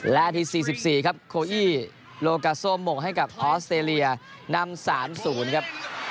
และที๔๔ครับโคอี้โลกาโซหมกให้กับออสเตรเลียนำ๓๐ครับ